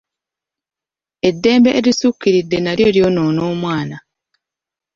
Eddembe erisukkiridde nalyo lyonoona omwana.